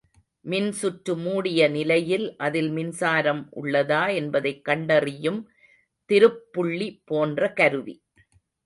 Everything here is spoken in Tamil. மின்சுற்று மூடிய நிலையில் அதில் மின்சாரம் உள்ளதா என்பதைக் கண்டறியும் திருப்புளி போன்ற கருவி.